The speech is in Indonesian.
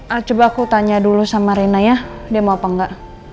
ah coba aku tanya dulu sama rena ya dia mau apa enggak